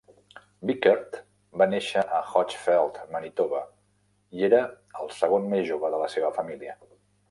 Bickert va néixer a Hochfeld, Manitoba, i era el segon més jove de la seva família.